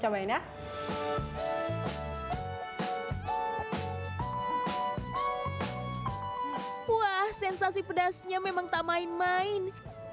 wah sensasi pedasnya memang tak main main